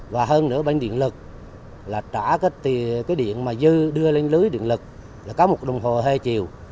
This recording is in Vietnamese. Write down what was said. và hơn nữa bên điện lực là trả cái điện mà dư đưa lên lưới điện lực là có một đồng hồ hai chiều